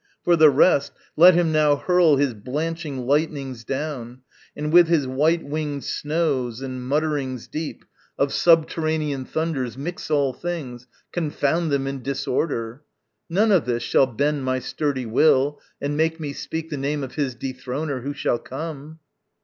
For the rest, Let him now hurl his blanching lightnings down, And with his white winged snows and mutterings deep Of subterranean thunders mix all things, Confound them in disorder. None of this Shall bend my sturdy will and make me speak The name of his dethroner who shall come.